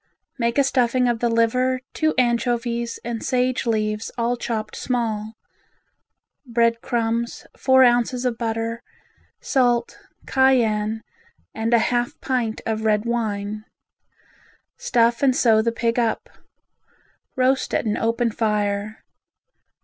Make a stuffing of the liver, two anchovies, and sage leaves all chopped small; bread crumbs, four ounces of butter, salt, cayenne and a half pint of red wine. Stuff and sew the pig up. Roast at an open fire.